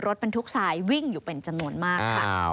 รถบรรทุกทรายวิ่งอยู่เป็นจำนวนมากค่ะ